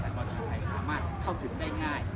ทางต่อบทางไทยสามารถเข้าถึงได้ง่าย